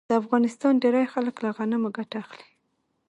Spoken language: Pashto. د افغانستان ډیری خلک له غنمو ګټه اخلي.